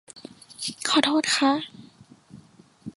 ขอโทษคะ